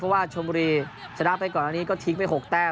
เพราะว่าชมบุรีชนะไปก่อนอันนี้ก็ทิ้งไป๖แต้ม